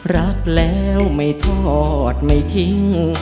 รักแล้วไม่ทอดไม่ทิ้ง